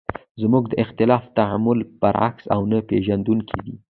زموږ د اختلاف تعامل برعکس او نه پېژندونکی دی.